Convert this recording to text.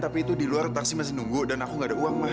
tapi itu di luar taksi masih nunggu dan aku nggak ada uang